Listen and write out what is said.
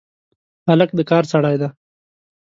هلک د کار سړی دی.